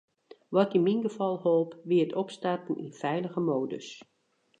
Wat yn myn gefal holp, wie it opstarten yn feilige modus.